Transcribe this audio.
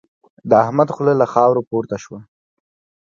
د احمد خوله له خاورو پورته شوه.